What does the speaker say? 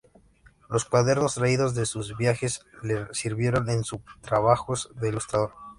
Los cuadernos traídos de sus viajes le sirvieron en su trabajos de ilustrador.